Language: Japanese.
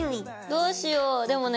どうしようでもね